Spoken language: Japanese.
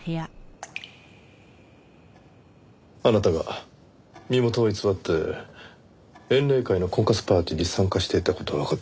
あなたが身元を偽って縁麗会の婚活パーティーに参加していた事はわかってます。